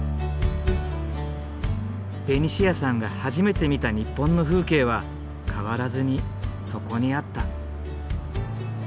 ベニシアさんが初めて見た日本の風景は変わらずにそこにあった。